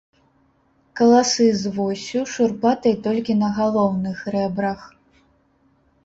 Каласы з воссю, шурпатай толькі на галоўных рэбрах.